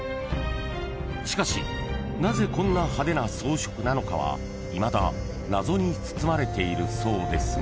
［しかしなぜこんな派手な装飾なのかはいまだ謎に包まれているそうですが］